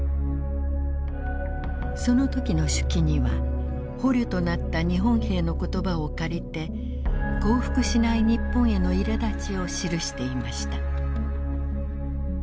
その時の手記には捕虜となった日本兵の言葉を借りて降伏しない日本へのいらだちを記していました。